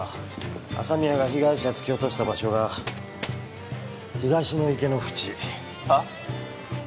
朝宮が被害者突き落とした場所が東の池の縁はっ？